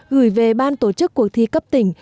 gửi về ban tổ chức cuộc thi cấp tỉnh